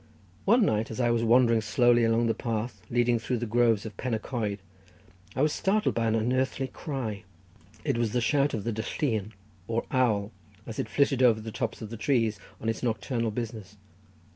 One night, as I was wandering slowly along the path leading through the groves of Pen y Coed, I was startled by an unearthly cry—it was the shout of the dylluan, or owl, as it flitted over the tops of the trees on its nocturnal business.